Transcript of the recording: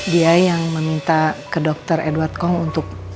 dia yang meminta ke dokter edward kong untuk